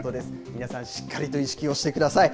皆さん、しっかりと意識をしてください。